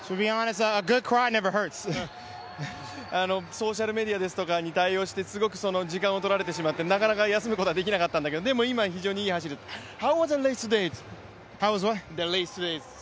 ソーシャルメディアとかに対応して時間を取られてしまってなかなか休むことはできなかったんだけれども、非常にいい走りだったと。